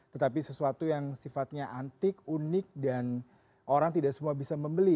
tetapi sesuatu yang sifatnya antik unik dan orang tidak semua bisa membeli